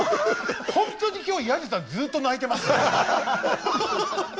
本当に今日彌十さんずっと泣いてますね。